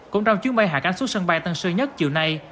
cũng trong chuyến bay hạ cánh xuất sân bay tân sơ nhất chiều nay